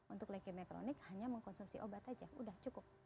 untuk leukemia kronik hanya mengkonsumsi obat saja udah cukup